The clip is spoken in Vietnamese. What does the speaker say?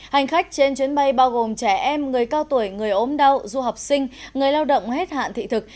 hành khách trên chuyến bay bao gồm trẻ em người cao tuổi người ốm đau du học sinh người lao động hết hạn thị thực